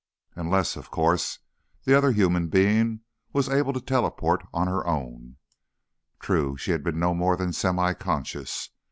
Unless, of course, the other human being was able to teleport on her own. True, she had been no more than semiconscious.